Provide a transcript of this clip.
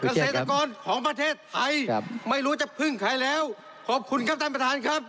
เกษตรกรของประเทศไทยครับไม่รู้จะพึ่งใครแล้วขอบคุณครับท่านประธานครับ